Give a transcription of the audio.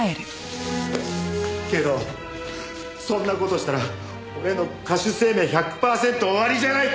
けどそんな事したら俺の歌手生命１００パーセント終わりじゃないか！